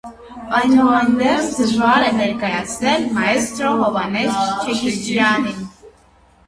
Այդուհանդերձ, դժվար է ներկայացնել մաեստրո Հովհաննես Չեքիջյանին։